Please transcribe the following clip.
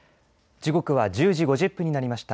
時刻は１０時５０分になりました。